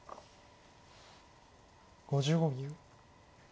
５５秒。